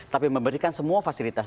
tapi memberikan semua fasilitas